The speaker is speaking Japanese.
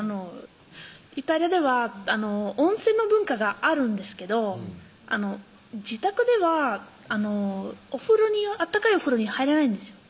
イタリアでは温泉の文化があるんですけど自宅では温かいお風呂に入らないんですよ